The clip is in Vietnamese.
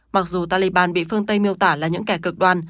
mặc dù taliban bị phương tây miêu tả là những kẻ cực đoan